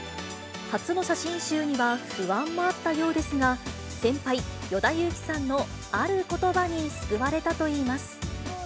初の写真集には不安もあったようですが、先輩、与田祐希さんのあることばに救われたといいます。